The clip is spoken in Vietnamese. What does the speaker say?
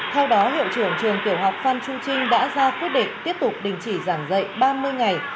theo đó hiệu trưởng trường tiểu học phan trung trinh đã ra quyết định tiếp tục đình chỉ giảng dạy ba mươi ngày